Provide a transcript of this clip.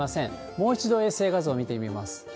もう一度衛星画像見てみます。